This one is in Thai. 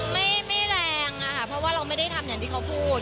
ไม่แรงอะค่ะเพราะว่าเราไม่ได้ทำอย่างที่เขาพูด